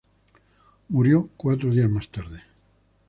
Murió cuatro días más tarde.